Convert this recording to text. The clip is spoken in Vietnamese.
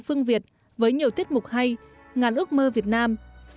phương việt với nhiều tiết mục hay ngàn ước mơ việt nam